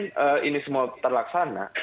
untuk menjamin ini semua terlaksana